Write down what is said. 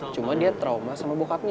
cuma dia trauma sama bokapnya